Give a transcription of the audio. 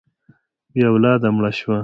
بې اولاده مړه شوه.